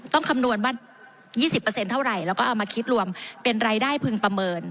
คำนวณว่า๒๐เท่าไหร่แล้วก็เอามาคิดรวมเป็นรายได้พึงประเมิน